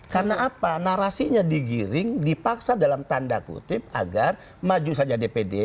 karena apa narasinya digiring dipaksa dalam tanda kutip agar maju saja dpd